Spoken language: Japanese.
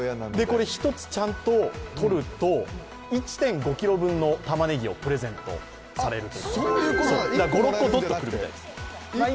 １つちゃんと取ると、１．５ｋｇ分のたまねぎをプレゼントされる。